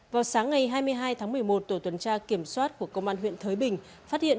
vào sáng ngày hai mươi hai tháng một mươi một tổ tuần tra kiểm soát của công an huyện thới bình phát hiện